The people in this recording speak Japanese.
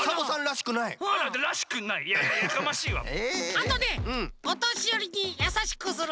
あとねおとしよりにやさしくする。